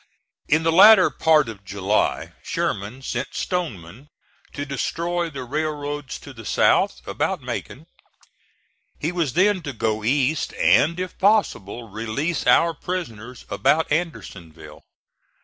In the latter part of July Sherman sent Stoneman to destroy the railroads to the south, about Macon. He was then to go east and, if possible, release our prisoners about Andersonville.